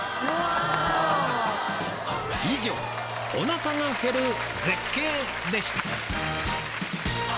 以上おなかが減る絶景でした！